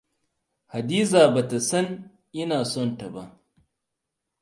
Hadiza bata san ina son ta ba.